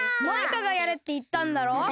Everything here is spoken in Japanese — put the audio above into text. マイカがやれっていったんだろ？